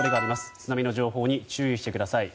津波の情報に注意してください。